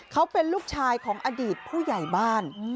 เขาเป็นลูกชายของอดีตผู้ใหญ่บ้าน